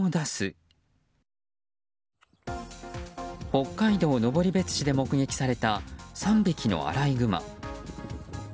北海道登別市で目撃された３匹のアライグマ。